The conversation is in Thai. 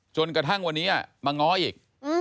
จนกระทั่งวันนี้มาง้ออีก